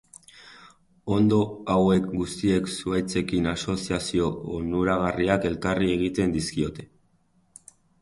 Onddo hauek guztiek zuhaitzekin asoziazio onuragarriak elkarri egiten dizkiote.